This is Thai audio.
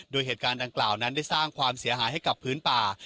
โดยเหตุการณ์ดังกล่าวนั้นได้สร้างความเสียหายให้กับพื้นป่า